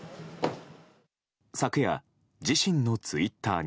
昨夜、自身のツイッターに。